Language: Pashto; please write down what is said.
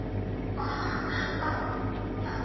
که عدالت نه وي سوله نه راځي.